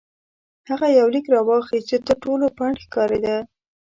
هغه یو لیک راواخیست چې تر ټولو پڼد ښکارېده.